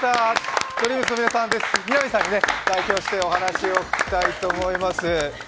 ＭＩＮＡＭＩさんに代表してお話を聞きたいと思います。